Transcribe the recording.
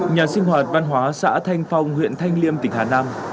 nhà sinh hoạt văn hóa xã thanh phong huyện thanh liêm tỉnh hà nam